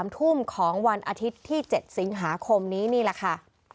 ๓ทุ่มของวันอาทิตย์ที่๗สิงหาคมนี้นี่แหละค่ะ